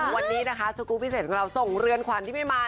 วันนี้นะคะสกูลพิเศษของเราส่งเรือนขวัญที่ไม่มา